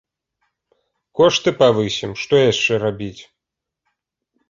Кошты павысім, што яшчэ рабіць.